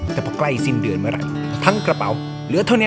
แต่พอใกล้สิ้นเดือนเมื่อไหร่ทั้งกระเป๋าเหลือเท่านี้